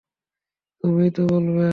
তুমিই তো বললে।